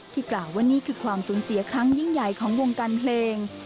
กล่าวว่านี่คือความสูญเสียครั้งยิ่งใหญ่ของวงการเพลง